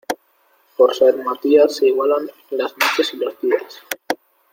Por San Matías se igualan las noches y los días.